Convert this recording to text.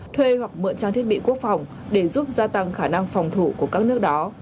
thuê hoặc mượn trang thiết bị quốc phòng để giúp gia tăng khả năng phòng thủ của các nước đó